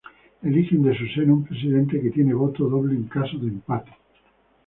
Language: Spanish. Eligen de su seno un Presidente que tiene voto doble en caso de empate.